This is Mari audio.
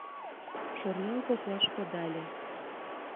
Шоръял коклаш кодале.